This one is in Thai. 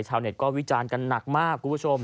ชาวเน็ตก็วิจารณ์กันหนักมาก